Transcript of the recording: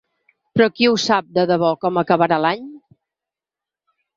Però, qui ho sap, de debò, com acabarà l’any?